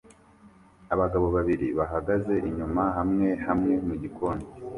Abagabo babiri bahagaze inyuma-hamwe hamwe mugikoni